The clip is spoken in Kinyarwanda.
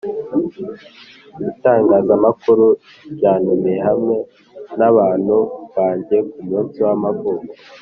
itangazamakuru ryantumiye hamwe nabantu banjye ku munsi w’amavuko